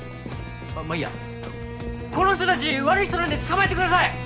まあいいやこの人達悪い人なんで捕まえてください！